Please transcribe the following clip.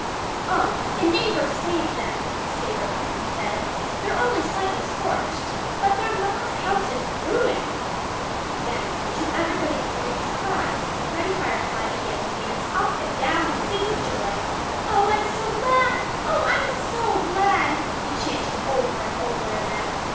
"Oh! The neighbors saved them," his favorite cousin said. "They're only slightly scorched. But their ma's house is ruined." Then, to everybody's great surprise, Freddie Firefly began to dance up and down and sing with joy. "Oh, I'm so glad! Oh, I'm so glad!" he chanted over and over again.